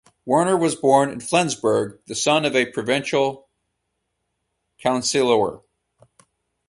Werner was born in Flensburg, the son of a provincial councillor.